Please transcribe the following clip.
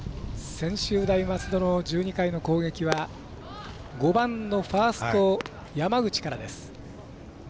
専修大松戸の１２回の攻撃は５番のファースト、山口からです。